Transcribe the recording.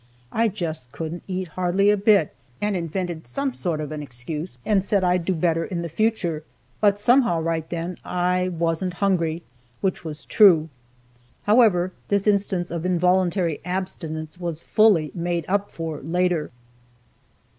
I just couldn't eat hardly a bit, and invented some sort of an excuse, and said I'd do better in the future, but, somehow, right then, I wasn't hungry, which was true. However, this instance of involuntary abstinence was fully made up for later.